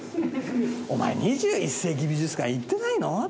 お前２１世紀美術館行ってないの？